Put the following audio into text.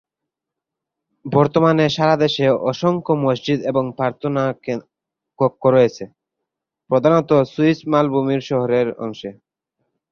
বর্তমানে সারা দেশে অসংখ্য মসজিদ এবং প্রার্থনা কক্ষ রয়েছে, প্রধানত সুইস মালভূমির শহুরে অংশে।